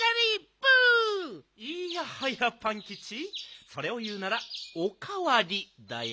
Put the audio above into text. いやはやパンキチそれをいうなら「おかわり」だよ。